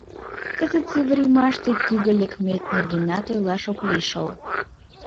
Кызытсе времаште тӱгӧ лекмет нергенат ойлаш ок лий шол...»